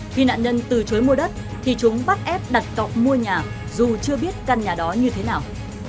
khi nạn nhân từ chối mua đất thì chúng bắt ép đặt cọc mua nhà dù chưa biết căn nhà đó như thế nào